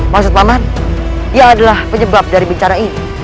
maksud paman dia adalah penyebab dari bencana ini